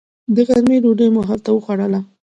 د غرمې ډوډۍ مو هلته وخوړله.